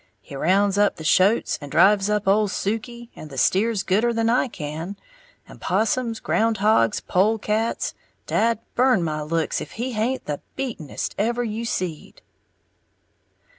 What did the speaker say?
He rounds up the shoats and drives up Ole Suke and the steers gooder than I can; and possums! groundhogs! polecats! dad burn my looks if he haint the beatenest ever you seed!"